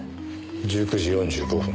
１９時４５分。